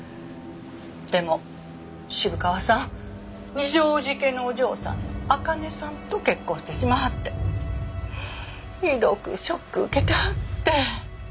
でも渋川さん二条路家のお嬢さんのあかねさんと結婚してしまはってひどくショック受けてはって。